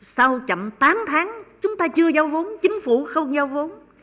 sau chậm tám tháng chúng ta chưa giao vốn chính phủ không giao vốn